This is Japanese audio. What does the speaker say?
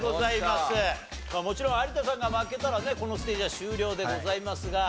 もちろん有田さんが負けたらねこのステージは終了でございますが。